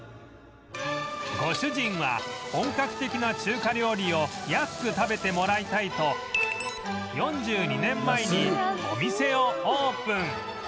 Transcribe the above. ご主人は本格的な中華料理を安く食べてもらいたいと４２年前にお店をオープン